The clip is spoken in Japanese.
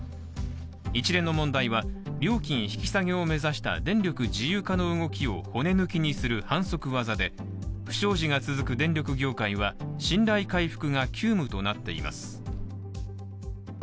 一連の問題は料金引き下げを目指した電力自由化の動きを骨抜きにする反則技で不祥事が続く電力業界は信頼回復が急務となっています。